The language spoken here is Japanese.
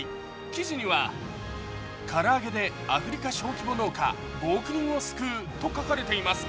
記事には唐揚げでアフリカ小規模農家５億人を救うと書かれています